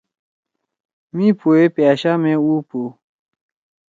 مِی پو ئے پأشا مے اُو پُوؤ۔